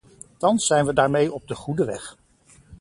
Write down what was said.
Thans zijn we daarmee op de goede weg.